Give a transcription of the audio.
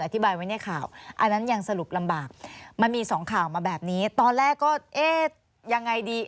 ออกมาแบบนี้ตอนแรกก็เอ๊ะยังไงดี